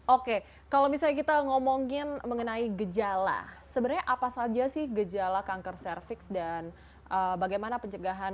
oke kalau misalnya kita ngomongin mengenai gejala sebenarnya apa saja sih gejala kanker cervix dan bagaimana pencegahan